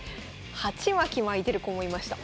鉢巻き巻いてる子もいました。